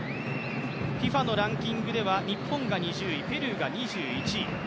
ＦＩＦＡのランキングでは日本が２０位、ペルーが２１位。